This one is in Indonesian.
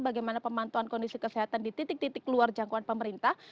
bagaimana pemantauan kondisi kesehatan di titik titik luar jangkauan pemerintah